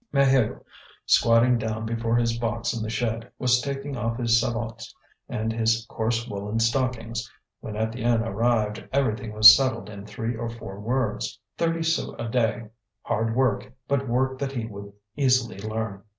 Maheu, squatting down before his box in the shed, was taking off his sabots and his coarse woollen stockings. When Étienne arrived everything was settled in three or four words: thirty sous a day, hard work, but work that he would easily learn.